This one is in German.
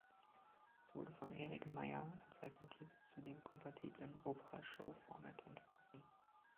Es wurde von Eric Meyer als Alternative zu dem kompatiblen "Opera Show Format" entworfen.